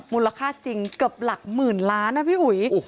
มูลค่าจริงเกือบหลักหมื่นล้านนะพี่อุ๋ย